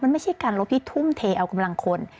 มันไม่ใช่การลบที่ทุ่มเทเอากำลังคน